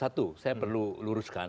satu saya perlu luruskan